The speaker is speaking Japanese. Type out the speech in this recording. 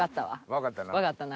分かったな。